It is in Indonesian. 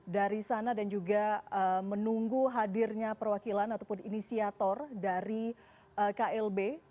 dari sana dan juga menunggu hadirnya perwakilan ataupun inisiator dari klb